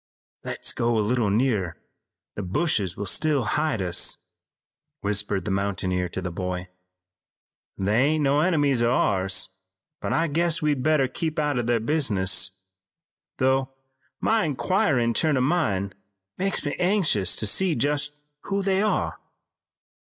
"Let's go a little nearer. The bushes will still hide us," whispered the mountaineer to the boy. "They ain't no enemies o' ours, but I guess we'd better keep out o' their business, though my inquirin' turn o' mind makes me anxious to see just who they are."